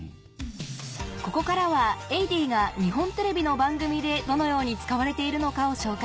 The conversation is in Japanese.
ここからは「エイディ」が日本テレビの番組でどのように使われているのかを紹介